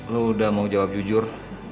lo udah mau jawab jujur